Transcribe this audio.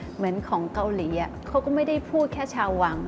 เหมือนของเกาหลีเขาก็ไม่ได้พูดแค่ชาววัง